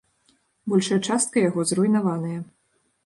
Большая частка яго зруйнаваная.